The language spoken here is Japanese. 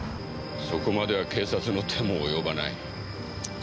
そこまでは警察も手が及ばない。